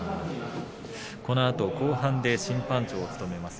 このあと後半で審判長を務めます